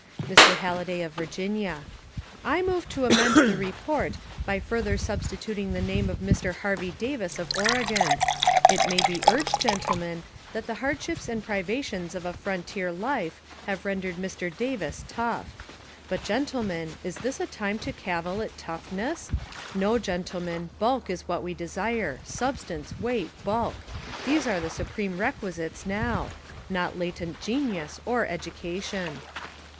Mr. Halliday, of Virginia: "I move to amend the report by further substituting the name of Mr. Har vey Davis of Oregon. It may be urged, gentlemen, that the hardships and privations of a frontier life have rendered Mr. Davis tough. But, gentlemen, is this a time to cavil at toughness? No, gentlemen, bulk is what we desire, — substance, weight, bulk, — these are the supreme requisites now — not latent genius or edu cation."